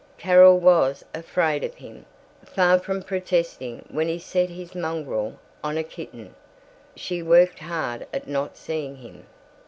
Carol was afraid of him. Far from protesting when he set his mongrel on a kitten, she worked hard at not seeing him.